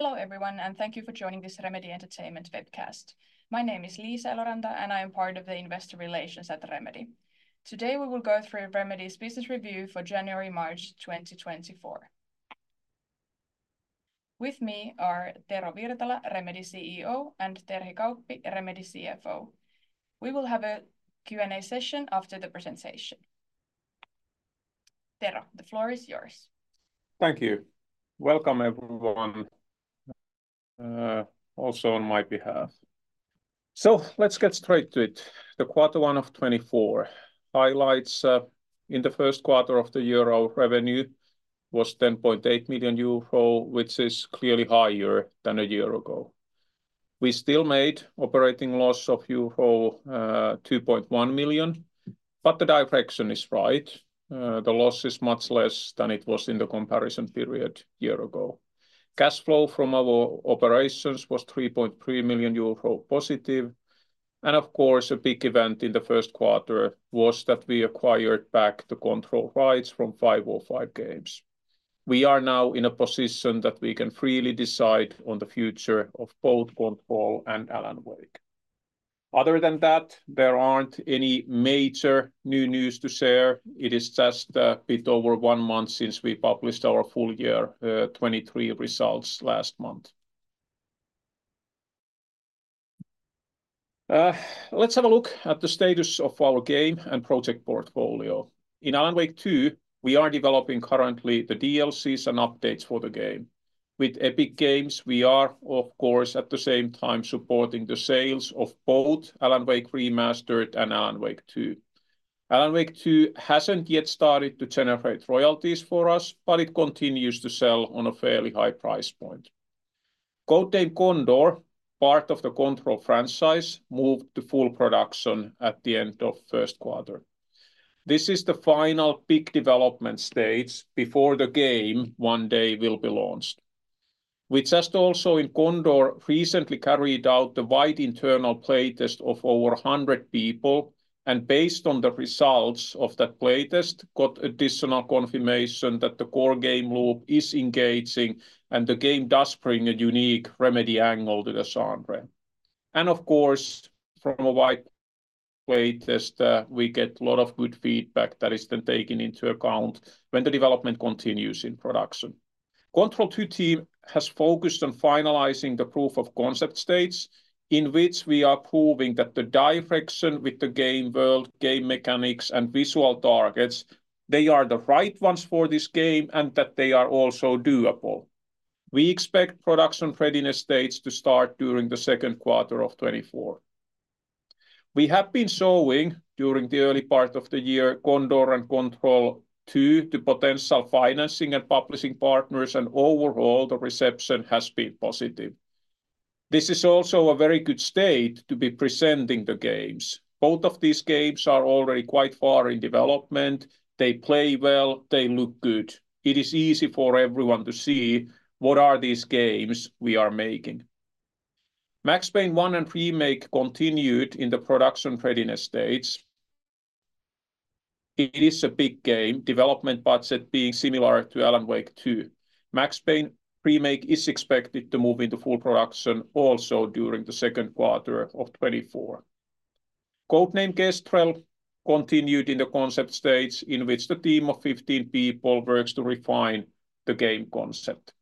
Hello, everyone, and thank you for joining this Remedy Entertainment webcast. My name is Liisa Eloranta, and I am part of the investor relations at Remedy. Today, we will go through Remedy's business review for January to March 2024. With me are Tero Virtala, Remedy CEO, and Terhi Kauppi, Remedy CFO. We will have a Q&A session after the presentation. Tero, the floor is yours. Thank you. Welcome, everyone, also on my behalf. So let's get straight to it. Q1 2024 highlights, in the first quarter of the year, our revenue was 10.8 million euro, which is clearly higher than a year ago. We still made operating loss of euro 2.1 million, but the direction is right. The loss is much less than it was in the comparison period year ago. Cash flow from our operations was 3.3 million euro positive, and of course, a big event in the first quarter was that we acquired back the Control rights from 505 Games. We are now in a position that we can freely decide on the future of both Control and Alan Wake. Other than that, there aren't any major new news to share. It is just a bit over one month since we published our full year 2023 results last month. Let's have a look at the status of our game and project portfolio. In Alan Wake II, we are developing currently the DLCs and updates for the game. With Epic Games, we are of course, at the same time supporting the sales of both Alan Wake Remastered and Alan Wake II. Alan Wake II hasn't yet started to generate royalties for us, but it continues to sell on a fairly high price point. Codename Condor, part of the Control franchise, moved to full production at the end of first quarter. This is the final big development stage before the game one day will be launched. We just also in Condor recently carried out a wide internal playtest of over 100 people, and based on the results of that playtest, got additional confirmation that the core game loop is engaging and the game does bring a unique Remedy angle to the genre. Of course, from a wide playtest, we get a lot of good feedback that is then taken into account when the development continues in production. Control 2 team has focused on finalizing the proof of concept stage, in which we are proving that the direction with the game world, game mechanics, and visual targets, they are the right ones for this game and that they are also doable. We expect production readiness stage to start during the second quarter of 2024. We have been showing during the early part of the year, Condor and Control 2, to potential financing and publishing partners, and overall, the reception has been positive. This is also a very good state to be presenting the games. Both of these games are already quite far in development. They play well, they look good. It is easy for everyone to see what are these games we are making. Max Payne 1&2 Remake continued in the production readiness stage. It is a big game, development budget being similar to Alan Wake II. Max Payne Remake is expected to move into full production also during the second quarter of 2024. Codename Kestrel continued in the concept stage, in which the team of 15 people works to refine the game concept.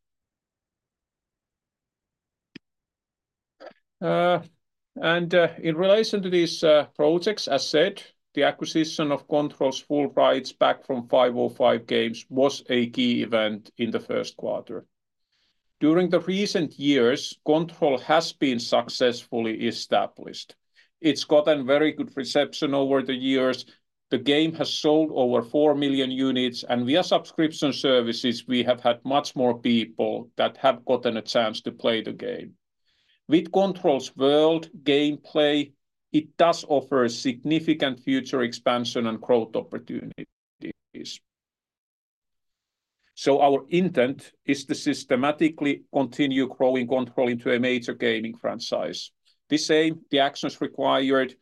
In relation to these projects, as said, the acquisition of Control's full rights back from 505 Games was a key event in the first quarter. During the recent years, Control has been successfully established. It's gotten very good reception over the years. The game has sold over 4 million units, and via subscription services, we have had much more people that have gotten a chance to play the game. With Control's world, gameplay, it does offer significant future expansion and growth opportunities. So our intent is to systematically continue growing Control into a major gaming franchise. The same, the actions required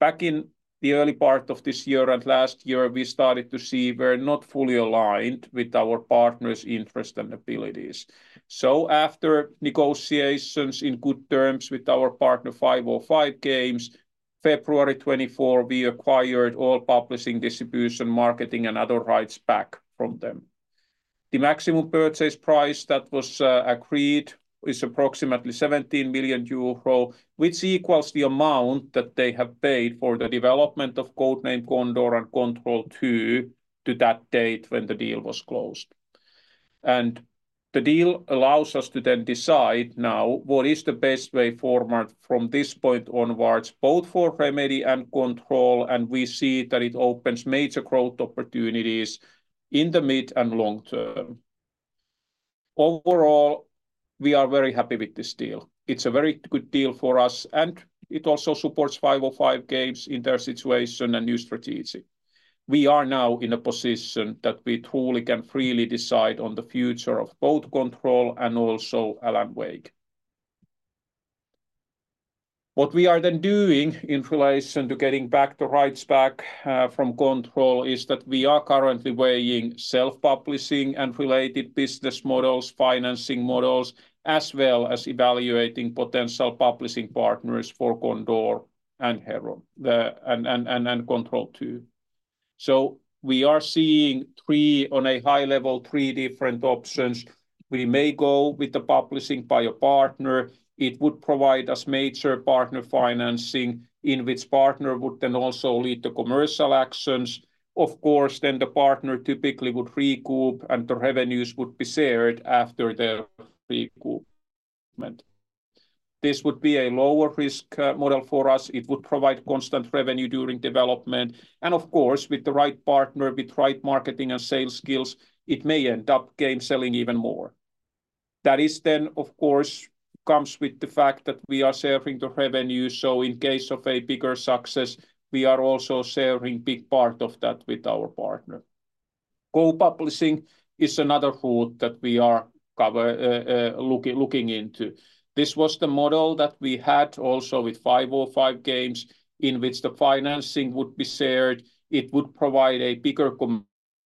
back in the early part of this year and last year, we started to see were not fully aligned with our partners' interest and abilities. So after negotiations in good terms with our partner, 505 Games, February 2024, we acquired all publishing, distribution, marketing, and other rights back from them. The maximum purchase price that was agreed is approximately 17 million euro, which equals the amount that they have paid for the development of Codename Condor and Control 2 to that date when the deal was closed. The deal allows us to then decide now what is the best way forward from this point onwards, both for Remedy and Control, and we see that it opens major growth opportunities in the mid and long term. Overall, we are very happy with this deal. It's a very good deal for us, and it also supports 505 Games in their situation and new strategy. We are now in a position that we truly can freely decide on the future of both Control and also Alan Wake. What we are then doing in relation to getting back the rights back from Control is that we are currently weighing self-publishing and related business models, financing models, as well as evaluating potential publishing partners for Condor and Heron and Control 2. So we are seeing three on a high level, three different options. We may go with the publishing by a partner. It would provide us major partner financing, in which partner would then also lead the commercial actions. Of course, then the partner typically would recoup, and the revenues would be shared after their recoupment. This would be a lower-risk model for us. It would provide constant revenue during development, and of course, with the right partner, with the right marketing and sales skills, it may end up game selling even more. That then, of course, comes with the fact that we are sharing the revenue, so in case of a bigger success, we are also sharing a big part of that with our partner. Co-publishing is another route that we are looking into. This was the model that we had also with 505 Games, in which the financing would be shared. It would provide a bigger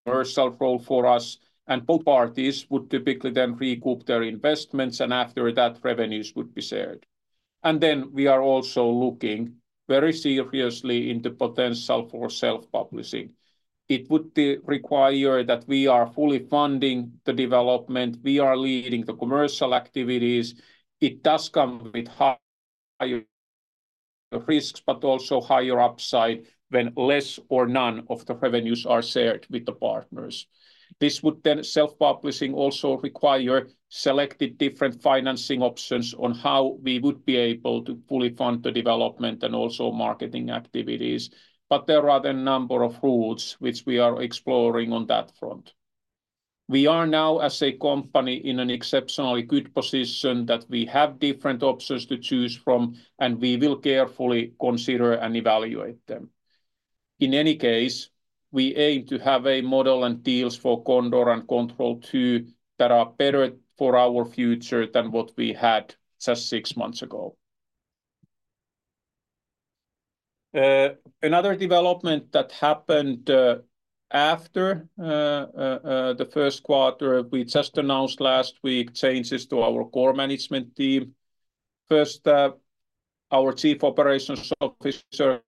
commercial role for us, and both parties would typically then recoup their investments, and after that, revenues would be shared. Then we are also looking very seriously into the potential for self-publishing. It would require that we are fully funding the development, we are leading the commercial activities. It does come with higher risks, but also higher upside when less or none of the revenues are shared with the partners. This would then, self-publishing also require selected different financing options on how we would be able to fully fund the development and also marketing activities. But there are other number of routes which we are exploring on that front. We are now, as a company, in an exceptionally good position that we have different options to choose from, and we will carefully consider and evaluate them. In any case, we aim to have a model and deals for Condor and Control 2 that are better for our future than what we had just six months ago. Another development that happened after the first quarter, we just announced last week, changes to our core management team. First up, our Chief Operations Officer,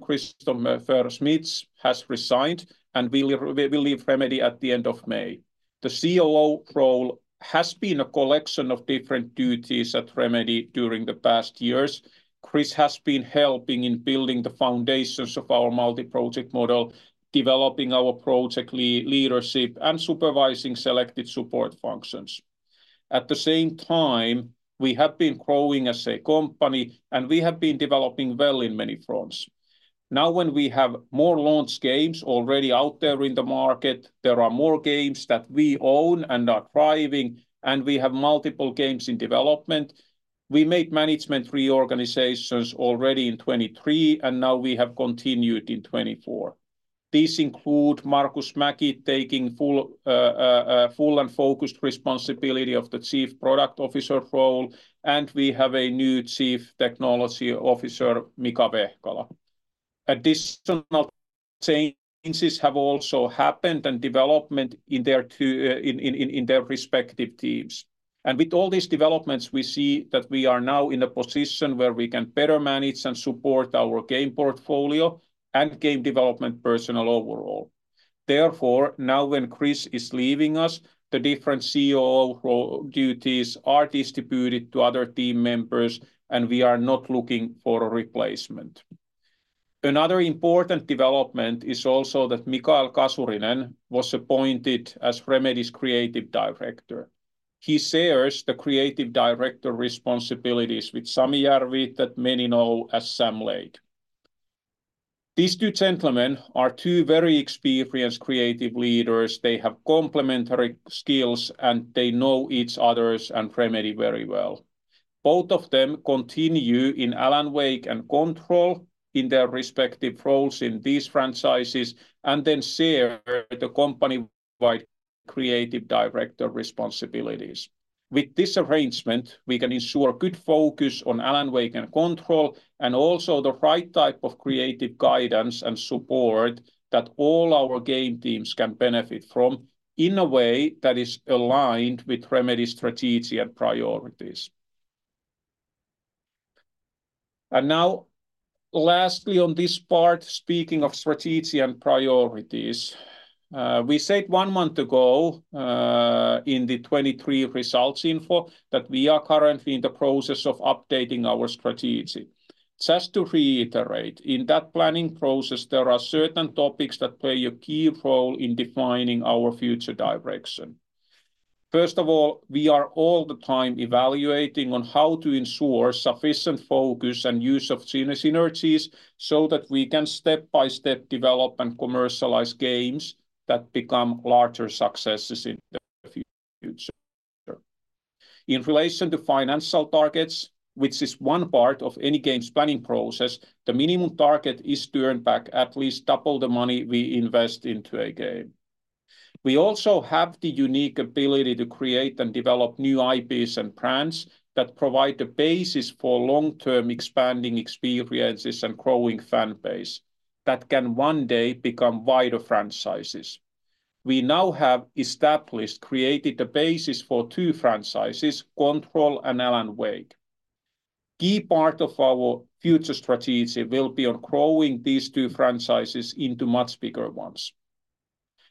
Christopher Schmitz, has resigned and will leave Remedy at the end of May. The COO role has been a collection of different duties at Remedy during the past years. Chris has been helping in building the foundations of our multi-project model, developing our project leadership, and supervising selected support functions. At the same time, we have been growing as a company, and we have been developing well in many fronts. Now, when we have more launched games already out there in the market, there are more games that we own and are thriving, and we have multiple games in development. We made management reorganizations already in 2023, and now we have continued in 2024. These include Markus Mäki taking full and focused responsibility of the Chief Product Officer role, and we have a new Chief Technology Officer, Mika Vehkala. Additional changes have also happened and development in their two respective teams. With all these developments, we see that we are now in a position where we can better manage and support our game portfolio and game development personnel overall. Therefore, now, when Chris is leaving us, the different COO role duties are distributed to other team members, and we are not looking for a replacement. Another important development is also that Mikael Kasurinen was appointed as Remedy's Creative Director. He shares the creative director responsibilities with Sami Järvi that many know as Sam Lake. These two gentlemen are two very experienced creative leaders. They have complementary skills, and they know each other and Remedy very well. Both of them continue in Alan Wake and Control in their respective roles in these franchises and then share the company-wide creative director responsibilities. With this arrangement, we can ensure good focus on Alan Wake and Control, and also the right type of creative guidance and support that all our game teams can benefit from in a way that is aligned with Remedy's strategy and priorities. Now, lastly, on this part, speaking of strategy and priorities, we said one month ago, in the 2023 results info, that we are currently in the process of updating our strategy. Just to reiterate, in that planning process, there are certain topics that play a key role in defining our future direction. First of all, we are all the time evaluating on how to ensure sufficient focus and use of synergies, so that we can step by step develop and commercialize games that become larger successes in the future. In relation to financial targets, which is one part of any game's planning process, the minimum target is to earn back at least double the money we invest into a game. We also have the unique ability to create and develop new IPs and brands that provide the basis for long-term expanding experiences and growing fan base that can one day become wider franchises. We now have established, created the basis for two franchises, Control and Alan Wake. Key part of our future strategy will be on growing these two franchises into much bigger ones.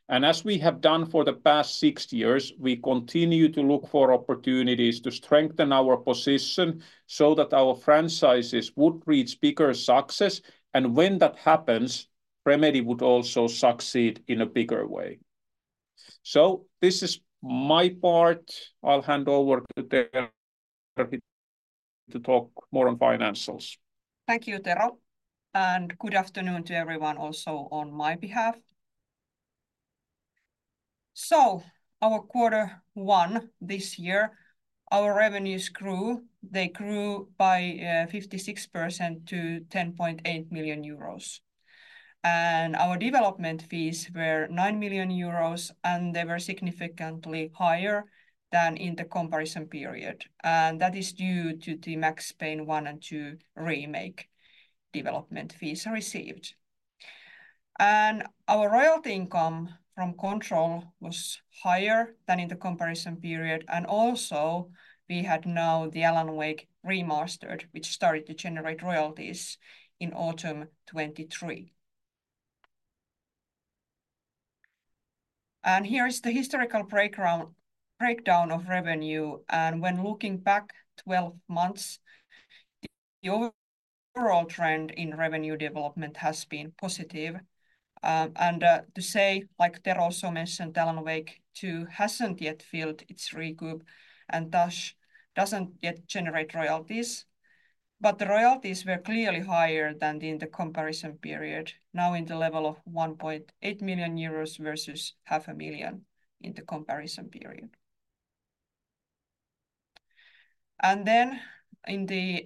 And as we have done for the past 60 years, we continue to look for opportunities to strengthen our position, so that our franchises would reach bigger success, and when that happens, Remedy would also succeed in a bigger way. So this is my part. I'll hand over to Terhi to talk more on financials. Thank you, Tero, and good afternoon to everyone also on my behalf. Our quarter one this year, our revenues grew. They grew by 56% to 10.8 million euros. Our development fees were 9 million euros, and they were significantly higher than in the comparison period, and that is due to the Max Payne 1&2 remake development fees received. Our royalty income from Control was higher than in the comparison period, and also we had now the Alan Wake Remastered, which started to generate royalties in autumn 2023. Here is the historical breakdown of revenue, and when looking back twelve months, the overall trend in revenue development has been positive. And, to say, like Tero also mentioned, Alan Wake 2 hasn't yet filled its recoup and thus doesn't yet generate royalties, but the royalties were clearly higher than in the comparison period, now in the level of 1.8 million euros versus 0.5 million in the comparison period. And then in the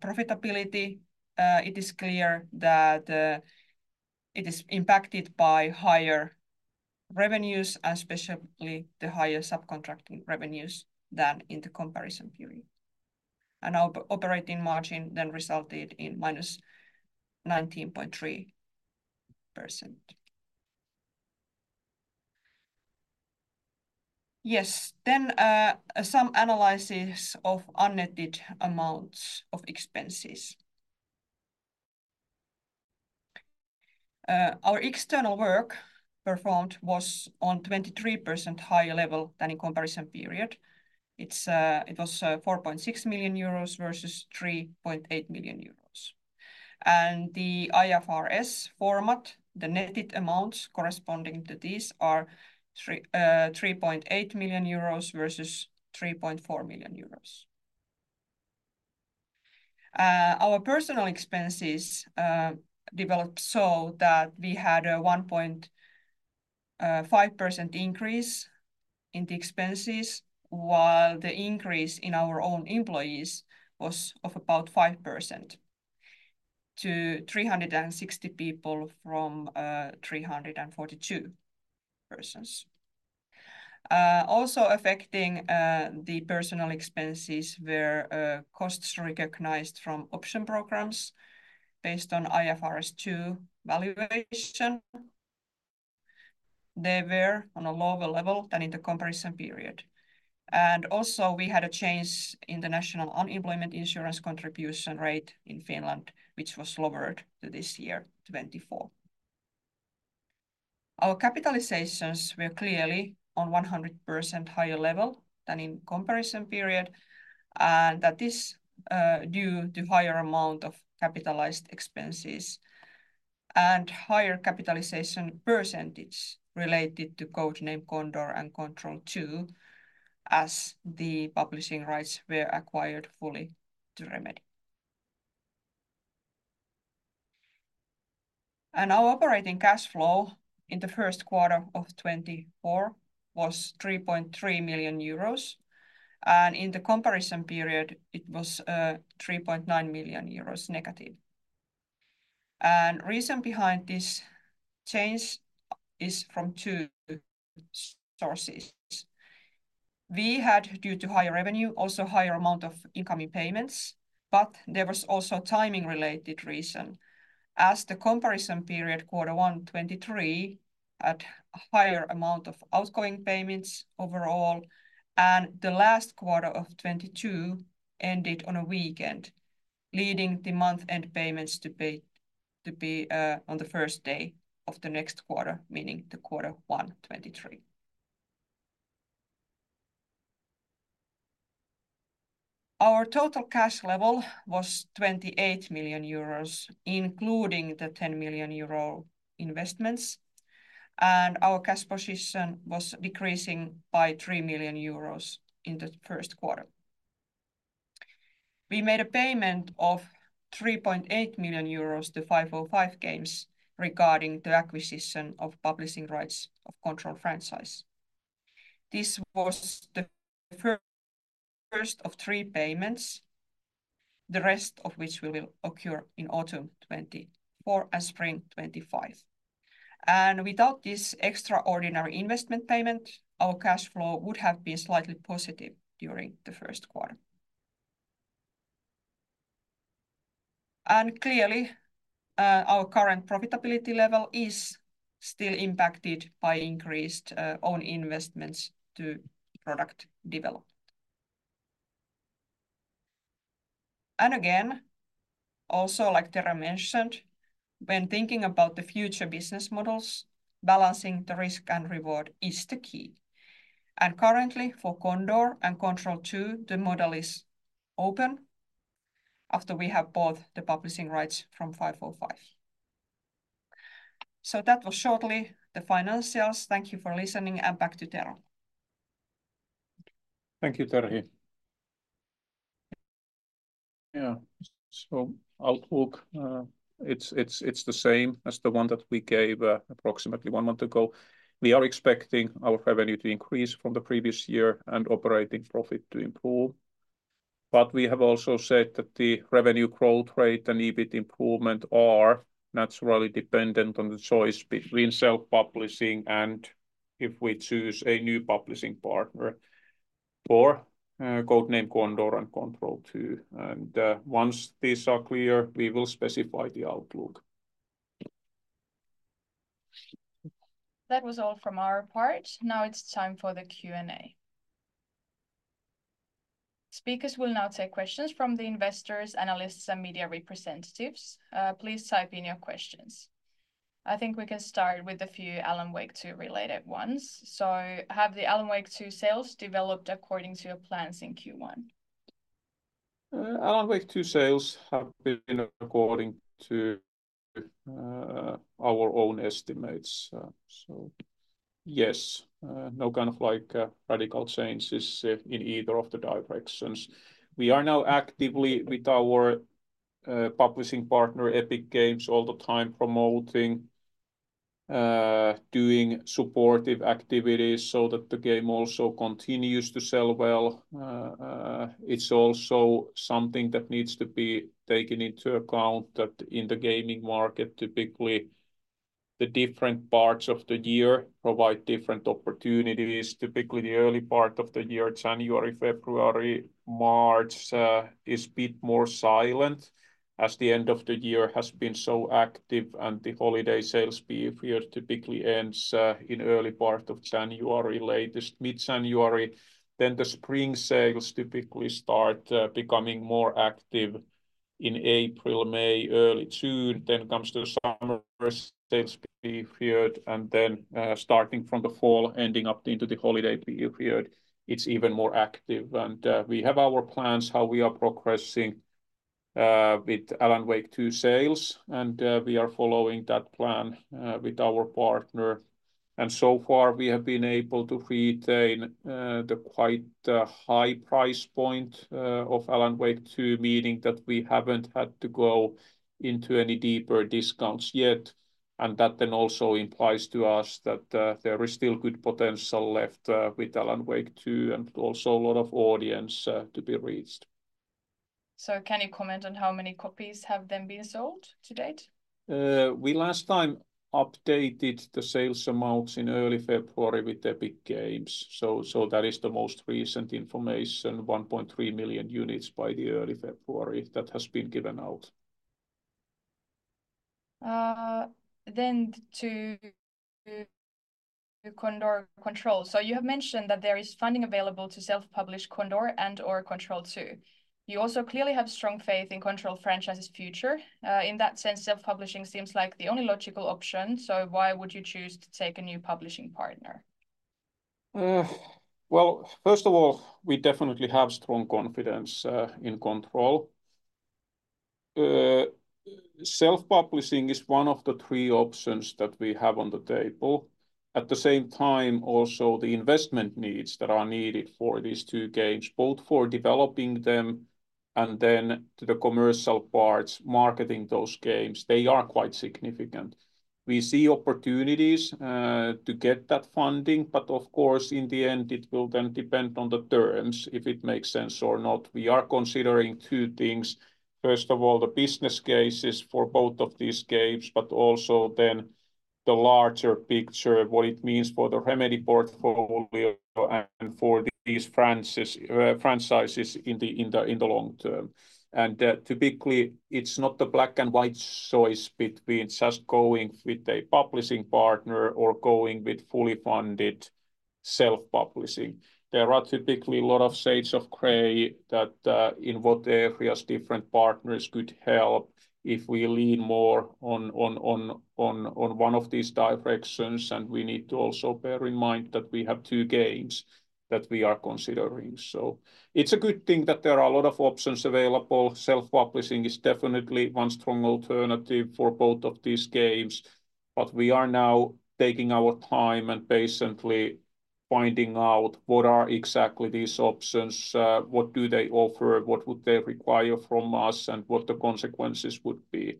profitability, it is clear that it is impacted by higher revenues, especially the higher subcontracting revenues than in the comparison period. And our operating margin then resulted in -19.3%. Yes, then, some analysis of unnetted amounts of expenses. Our external work performed was on 23% higher level than in comparison period. It's, it was, 4.6 million euros versus 3.8 million euros. The IFRS format, the netted amounts corresponding to these are 3.8 million euros versus 3.4 million euros. Our personnel expenses developed so that we had a 1.5% increase in the expenses, while the increase in our own employees was of about 5% to 360 people from 342 persons. Also affecting the personnel expenses were costs recognized from option programs based on IFRS 2 valuation. They were on a lower level than in the comparison period. And also, we had a change in the national unemployment insurance contribution rate in Finland, which was lowered to this year, 2024. Our capitalizations were clearly on 100% higher level than in comparison period, and that is due to higher amount of capitalized expenses and higher capitalization percentage related to Codename Condor and Control 2, as the publishing rights were acquired fully to Remedy. Our operating cash flow in the first quarter of 2024 was 3.3 million euros, and in the comparison period, it was 3.9 million euros negative. Reason behind this change is from two sources. We had, due to higher revenue, also higher amount of incoming payments, but there was also timing-related reason, as the comparison period, quarter one 2023, had a higher amount of outgoing payments overall, and the last quarter of 2022 ended on a weekend, leading the month-end payments to be on the first day of the next quarter, meaning the quarter one 2023. Our total cash level was 28 million euros, including the 10 million euro investments, and our cash position was decreasing by 3 million euros in the first quarter. We made a payment of 3.8 million euros to 505 Games regarding the acquisition of publishing rights of Control franchise. This was the first of three payments... the rest of which will occur in autumn 2024 and spring 2025. Without this extraordinary investment payment, our cash flow would have been slightly positive during the first quarter. Clearly, our current profitability level is still impacted by increased own investments to product development. Again, also like Tero mentioned, when thinking about the future business models, balancing the risk and reward is the key. Currently, for Condor and Control 2, the model is open after we have bought the publishing rights from 505. That was shortly the financials. Thank you for listening, and back to Tero. Thank you, Terhi. Yeah, so outlook, it's the same as the one that we gave, approximately one month ago. We are expecting our revenue to increase from the previous year and operating profit to improve. But we have also said that the revenue growth rate and EBIT improvement are naturally dependent on the choice between self-publishing and if we choose a new publishing partner for, Codename Condor and Control 2, and, once these are clear, we will specify the outlook. That was all from our part. Now it's time for the Q&A. Speakers will now take questions from the investors, analysts, and media representatives. Please type in your questions. I think we can start with a few Alan Wake 2 related ones. So have the Alan Wake 2 sales developed according to your plans in Q1? Alan Wake 2 sales have been according to our own estimates, so yes. No kind of like radical changes in either of the directions. We are now actively with our publishing partner, Epic Games, all the time promoting, doing supportive activities so that the game also continues to sell well. It's also something that needs to be taken into account that in the gaming market, typically, the different parts of the year provide different opportunities. Typically, the early part of the year, January, February, March, is bit more silent as the end of the year has been so active and the holiday sales period typically ends in early part of January, latest mid-January. Then the spring sales typically start becoming more active in April, May, early June. Then comes the summer sales period, and then, starting from the fall, ending up into the holiday period, it's even more active. And, we have our plans, how we are progressing, with Alan Wake 2 sales, and, we are following that plan, with our partner. And so far, we have been able to retain, the quite high price point, of Alan Wake 2, meaning that we haven't had to go into any deeper discounts yet. And that then also implies to us that, there is still good potential left, with Alan Wake 2, and also a lot of audience, to be reached. Can you comment on how many copies have then been sold to date? We last time updated the sales amounts in early February with Epic Games, so that is the most recent information, 1.3 million units by early February that has been given out. Then to Condor Control. So you have mentioned that there is funding available to self-publish Condor and or Control Two. You also clearly have strong faith in Control franchise's future. In that sense, self-publishing seems like the only logical option, so why would you choose to take a new publishing partner? Well, first of all, we definitely have strong confidence in Control. Self-publishing is one of the three options that we have on the table. At the same time, also, the investment needs that are needed for these two games, both for developing them and then to the commercial parts, marketing those games, they are quite significant. We see opportunities to get that funding, but of course, in the end, it will then depend on the terms, if it makes sense or not. We are considering two things. First of all, the business cases for both of these games, but also then the larger picture, what it means for the Remedy portfolio and for these franchises, franchises in the long term. And, typically, it's not a black-and-white choice between just going with a publishing partner or going with fully funded self-publishing. There are typically a lot of shades of gray that, in what areas different partners could help if we lean more on one of these directions, and we need to also bear in mind that we have two games that we are considering. So it's a good thing that there are a lot of options available. Self-publishing is definitely one strong alternative for both of these games, but we are now taking our time and patiently finding out what are exactly these options, what do they offer, what would they require from us, and what the consequences would be.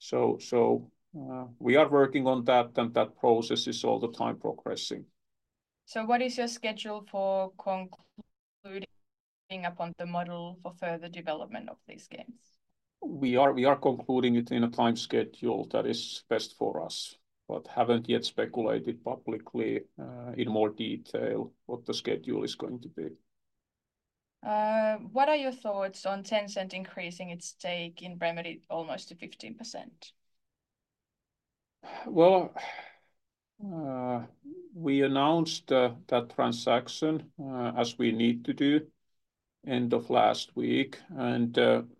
So, we are working on that, and that process is all the time progressing. ... What is your schedule for concluding upon the model for further development of these games? We are, we are concluding it in a time schedule that is best for us, but haven't yet speculated publicly, in more detail what the schedule is going to be. What are your thoughts on Tencent increasing its stake in Remedy almost to 15%? Well, we announced that transaction as we need to do, end of last week, and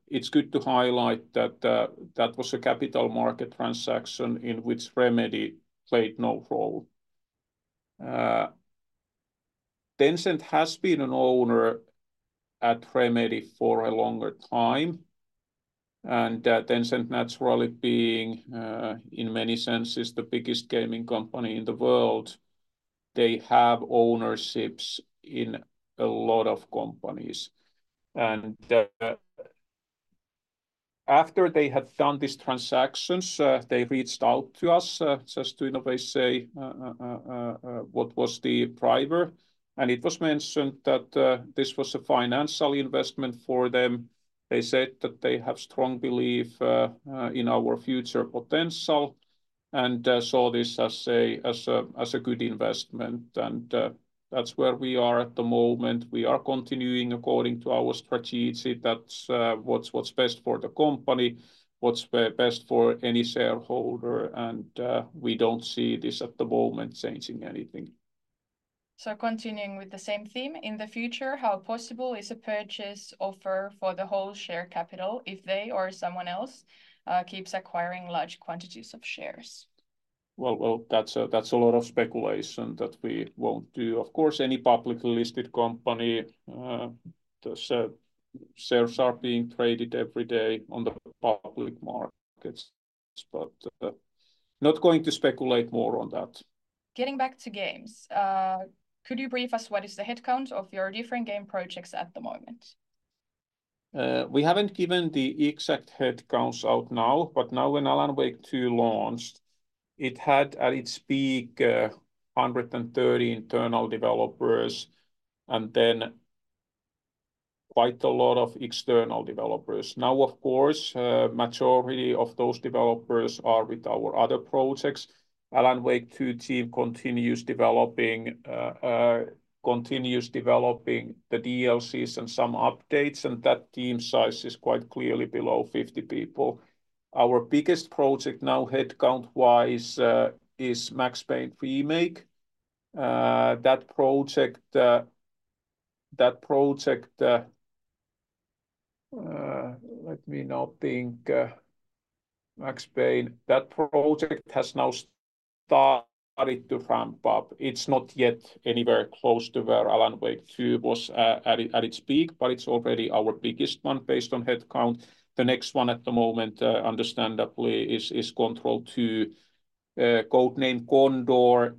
it's good to highlight that that was a capital market transaction in which Remedy played no role. Tencent has been an owner at Remedy for a longer time, and Tencent naturally being in many senses, the biggest gaming company in the world, they have ownerships in a lot of companies. And after they had done these transactions, they reached out to us just to, you know, say what was the driver, and it was mentioned that this was a financial investment for them. They said that they have strong belief in our future potential and saw this as a good investment, and that's where we are at the moment. We are continuing according to our strategy. That's what's best for the company, what's best for any shareholder, and we don't see this at the moment changing anything. So continuing with the same theme, in the future, how possible is a purchase offer for the whole share capital if they or someone else keeps acquiring large quantities of shares? Well, well, that's a, that's a lot of speculation that we won't do. Of course, any publicly listed company, the shares are being traded every day on the public markets, but, not going to speculate more on that. Getting back to games, could you brief us, what is the headcount of your different game projects at the moment? We haven't given the exact headcounts out now, but now when Alan Wake II launched, it had, at its peak, 130 internal developers and then quite a lot of external developers. Now, of course, majority of those developers are with our other projects. Alan Wake II team continues developing the DLCs and some updates, and that team size is quite clearly below 50 people. Our biggest project now, headcount-wise, is Max Payne Remake. That project has now started to ramp up. It's not yet anywhere close to where Alan Wake II was, at its peak, but it's already our biggest one based on headcount. The next one at the moment, understandably, is Control 2. Codename Condor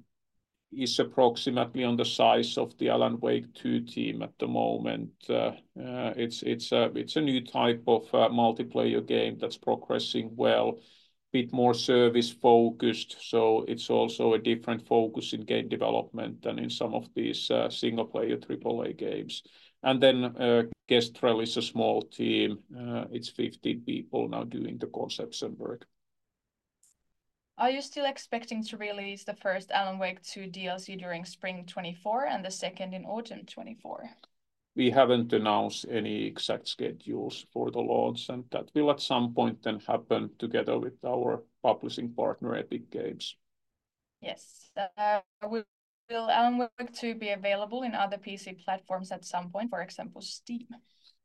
is approximately on the size of the Alan Wake II team at the moment. It's a new type of multiplayer game that's progressing well, bit more service-focused, so it's also a different focus in game development than in some of these single-player AAA games. And then, Codename Kestrel is a small team. It's 50 people now doing the concepts and work. Are you still expecting to release the first Alan Wake II DLC during spring 2024 and the second in autumn 2024? We haven't announced any exact schedules for the launch, and that will at some point then happen together with our publishing partner, Epic Games. Yes. Will Alan Wake II be available in other PC platforms at some point, for example, Steam?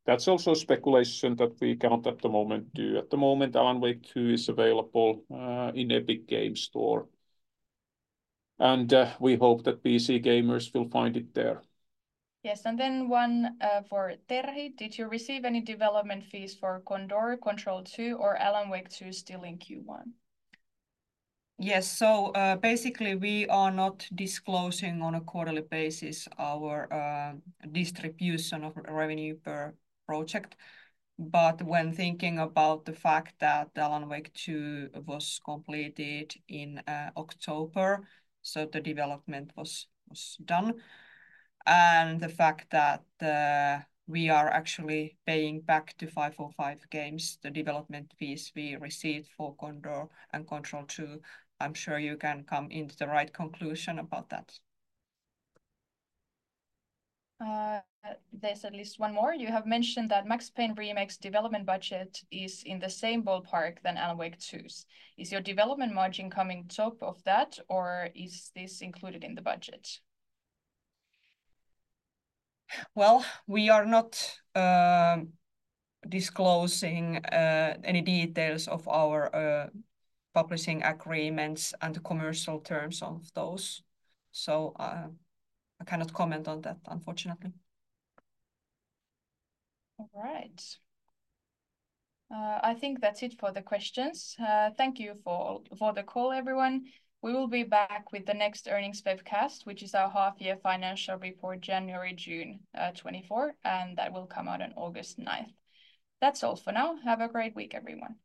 That's also speculation that we cannot at the moment do. At the moment, Alan Wake II is available in Epic Games Store, and we hope that PC gamers will find it there. Yes, and then one, for Terhi. Did you receive any development fees for Condor, Control 2, or Alan Wake 2 still in Q1? Yes. So, basically, we are not disclosing on a quarterly basis our distribution of revenue per project. But when thinking about the fact that Alan Wake II was completed in October, so the development was done, and the fact that we are actually paying back to 505 Games the development fees we received for Condor and Control 2, I'm sure you can come into the right conclusion about that. There's at least one more. You have mentioned that Max Payne Remake's development budget is in the same ballpark than Alan Wake II's. Is your development margin coming top of that, or is this included in the budget? Well, we are not disclosing any details of our publishing agreements and the commercial terms of those, so I cannot comment on that, unfortunately. All right. I think that's it for the questions. Thank you for, for the call, everyone. We will be back with the next earnings webcast, which is our half-year financial report, January to June, 2024, and that will come out on August 9th. That's all for now. Have a great week, everyone.